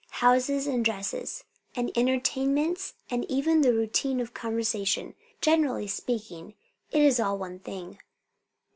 Houses and dresses; and entertainments, and even the routine of conversation. Generally speaking, it is all one thing."